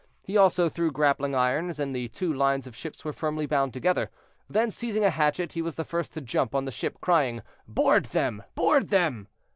He also threw grappling irons, and the two lines of ships were firmly bound together. Then, seizing a hatchet, he was the first to jump on a ship, crying, "Board them! board them!"